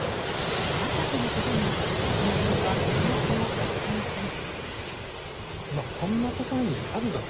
まさかのことに住民は困惑を隠せません。